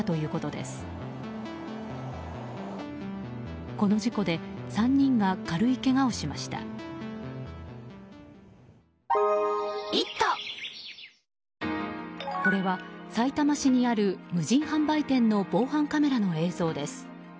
これは、さいたま市にある無人販売店の防犯カメラの映像です。